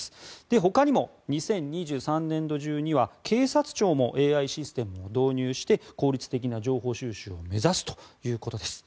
ほかにも２０２３年度中には警察庁もＡＩシステムを導入して効率的な情報収集を目指すということです。